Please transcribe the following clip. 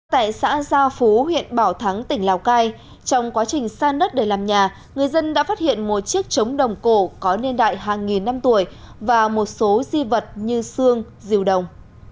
tại xã gia phú huyện bảo thắng tỉnh lào cai trong quá trình san đất để làm nhà người dân đã phát hiện một chiếc trống đồng cổ có niên đại hàng nghìn năm tuổi và một số di vật như xương diều đồng